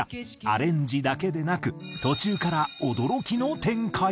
アレンジだけでなく途中から驚きの展開が。